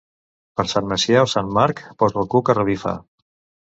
Per Sant Macià o Sant Marc posa el cuc a revifar.